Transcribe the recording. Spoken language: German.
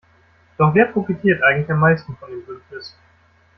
Doch wer profitiert eigentlich am meisten von dem Bündnis?